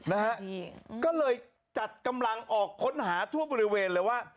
นะฮะนี่ก็เลยจัดกำลังออกค้นหาทั่วบริเวณเลยว่า